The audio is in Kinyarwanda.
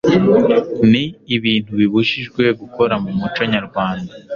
Ni ibintu bibujijwe gukora mu muco nyarwanda